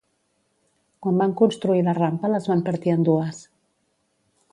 Quan van construir la rampa les van partir en dues.